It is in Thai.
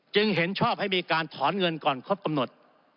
เห็นชอบให้มีการถอนเงินก่อนครบกำหนด